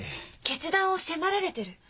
決断を迫られてる？